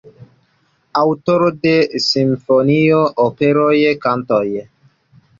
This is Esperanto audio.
Aŭtoro de simfonioj, operoj, kantatoj.